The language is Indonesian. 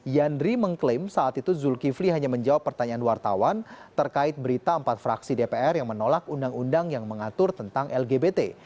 yandri mengklaim saat itu zulkifli hanya menjawab pertanyaan wartawan terkait berita empat fraksi dpr yang menolak undang undang yang mengatur tentang lgbt